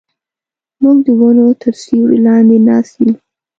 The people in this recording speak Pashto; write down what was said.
موږ د ونو تر سیوري لاندې ناست یو.